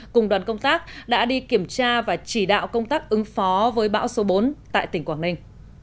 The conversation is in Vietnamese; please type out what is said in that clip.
cùng đoàn công tác đã đi kiểm tra và chỉ đạo công tác ứng phó với bão số bốn tại tỉnh quảng ninh